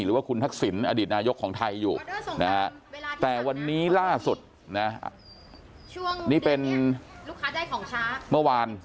หรือว่าคุณทักษิณอดิตนายกของไทยอยู่นะครับแต่วันนี้ล่าสุดนะนี่เป็นเมื่อวาน